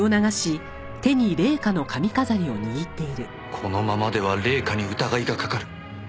このままでは礼夏に疑いがかかる。